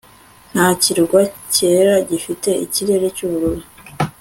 Nka kirwa cyera gifite ikirere cyubururu